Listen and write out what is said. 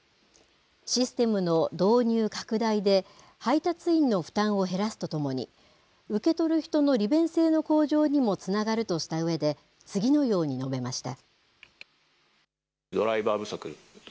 システムの導入拡大で、配達員の負担を減らすとともに、受け取る人の利便性の向上にもつながるとしたうえで、次のように述べました。